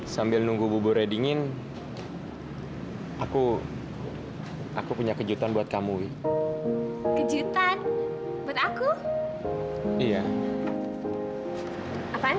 sambil nunggu buburnya dingin aku aku punya kejutan buat kamu kejutan buat aku